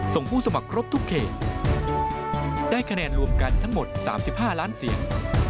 ผู้สมัครครบทุกเขตได้คะแนนรวมกันทั้งหมด๓๕ล้านเสียง